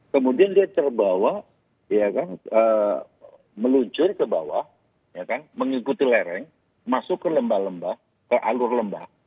kemudian dia terbawa ya kan meluncur ke bawah mengikuti lereng masuk ke lembah lembah ke alur lembah